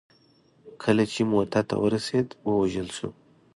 کله چې موته ته ورسېد ووژل شو.